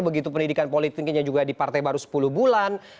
begitu pendidikan politiknya juga di partai baru sepuluh bulan